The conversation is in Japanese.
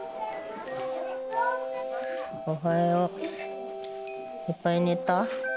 おはよう。いっぱい寝た？